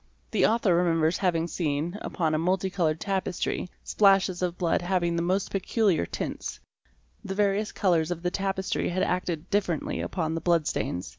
'The author remembers having seen, upon a multicoloured tapestry, splashes of blood having the most peculiar tints ; the various colours of the tapestry had acted differently upon the blood stains.